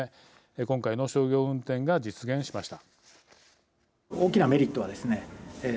今回の商業運転が実現しました。